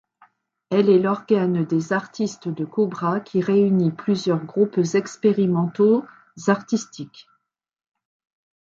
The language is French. Elle est l'organe des artistes de Cobra qui réunit plusieurs groupes expérimentaux artistiques.